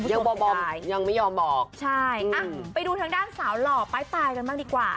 บ่อบอมยังไม่ยอมบอกใช่อ่ะไปดูทางด้านสาวหล่อป้ายตายกันบ้างดีกว่า